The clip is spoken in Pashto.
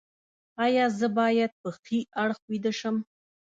ایا زه باید په ښي اړخ ویده شم؟